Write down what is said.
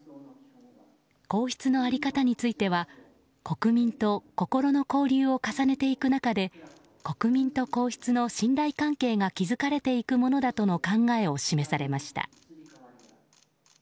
皇室の在り方については国民と心の交流を重ねていく中で国民と皇室の信頼関係が築かれていくものだとの考えを示されました。